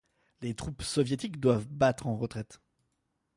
Les troupes soviétiques doivent battre en retraite.